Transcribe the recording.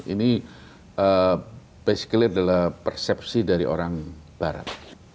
ini basically adalah persepsi dari orang barat